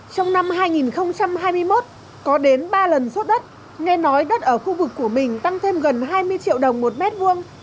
trong năm hai nghìn hai mươi một có đến ba lần xuất đất nghe nói đất ở khu vực của bình tăng thêm gần hai mươi triệu đồng một mét vuông